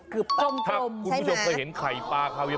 กึบต้มใช่ไหมครับคุณผู้ชมเคยเห็นไข่ปลาคาเวีย